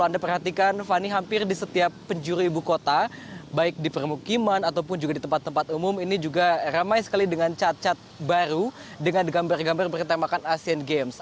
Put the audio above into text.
anda perhatikan fani hampir di setiap penjuru ibu kota baik di permukiman ataupun juga di tempat tempat umum ini juga ramai sekali dengan cacat baru dengan gambar gambar bertemakan asian games